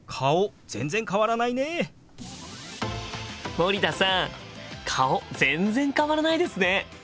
森田さん顔全然変わらないですね！